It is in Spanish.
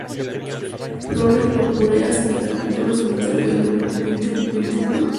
Flores purpúreas en capítulos solitarios de largo pedúnculo.